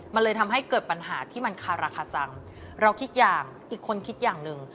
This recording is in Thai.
มันเลยทำให้เกิดปัญหาที่มันคาราคาซังเราคิดอย่างอีกคนคิดอย่างหนึ่ง